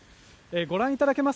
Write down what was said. ご覧いただけます